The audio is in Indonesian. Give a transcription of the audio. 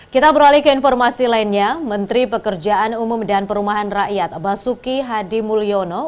kita beralih ke informasi lainnya menteri pekerjaan umum dan perumahan rakyat basuki hadi mulyono